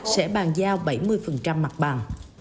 sẽ bàn giao bảy mươi mặt bằng